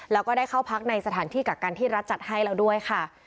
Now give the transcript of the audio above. แล้วก็ได้เข้าพักในสถานที่กักกันที่รัฐจัดให้แล้วด้วยค่ะ